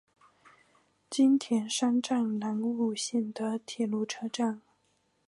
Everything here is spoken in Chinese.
津田山站南武线的铁路车站。